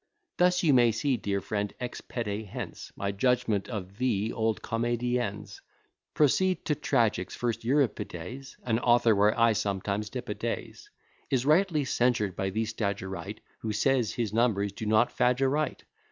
Thus you may see, dear friend, ex pede hence, My judgment of the old comedians. Proceed to tragics: first Euripides (An author where I sometimes dip a days) Is rightly censured by the Stagirite, Who says, his numbers do not fadge aright.